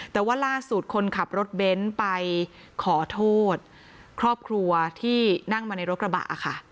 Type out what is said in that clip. แต่ว่าล่าสุดคนขับรถเบนท์ไปขอโทษครอบครัวที่นั่งมาในรถกระบะค่ะ